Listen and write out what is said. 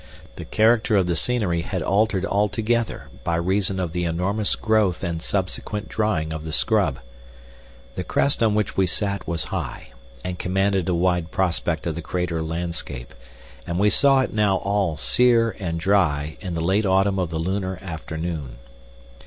The character of the scenery had altered altogether by reason of the enormous growth and subsequent drying of the scrub. The crest on which we sat was high, and commanded a wide prospect of the crater landscape, and we saw it now all sere and dry in the late autumn of the lunar afternoon.